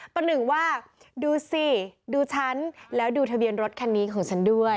ประหนึ่งว่าดูสิดูฉันแล้วดูทะเบียนรถคันนี้ของฉันด้วย